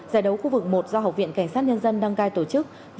giải đấu khu vực một do học viện cảnh sát nhân dân đăng cai tổ chức